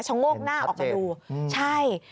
โงกหน้าออกมาดูใช่